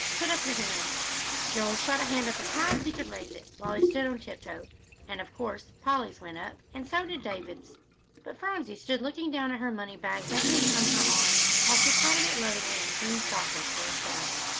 Put up your hands." Joel's hand shot up as high as he could raise it, while he stood on tiptoe, and of course Polly's went up, and so did David's. But Phronsie stood looking down at her money bag dangling from her arm, while she patted it lovingly and crooned softly to herself.